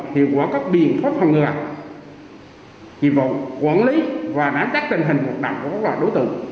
hiệu quả các biện pháp hoàng ngừa hiệu quả quản lý và đáng chắc tình hình hoạt động của các loại đối tượng